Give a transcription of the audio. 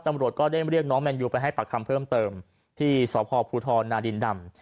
ตำรวจก็ได้เรียกน้องแมนยูไปให้ปากคำเพิ่มเติมที่สพภูทรนาดินดำ